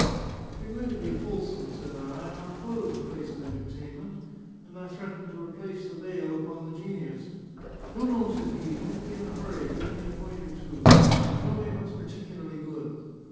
"If you're going to be fulsome," said I, "I'll close the place of entertainment." And I threatened to replace the veil upon the Genius. "No, no," said he. "Don't be in a hurry. Give me a point or two. Show me what's particularly good."